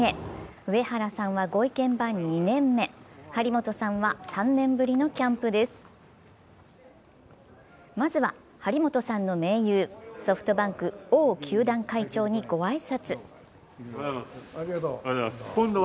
上原さんは御意見番２年目、張本さんは３年ぶりのキャンプですまずは張本さんの盟友、ソフトバンク・王球団会長にご挨拶。